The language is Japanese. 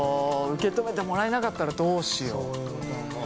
受け止めてもらえなかったらどうしよう。